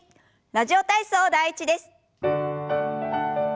「ラジオ体操第１」です。